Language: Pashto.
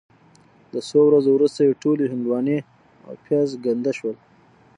د څو ورځو وروسته یې ټولې هندواڼې او پیاز ګنده شول.